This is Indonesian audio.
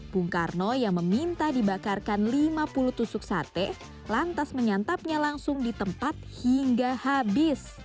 bung karno yang meminta dibakarkan lima puluh tusuk sate lantas menyantapnya langsung di tempat hingga habis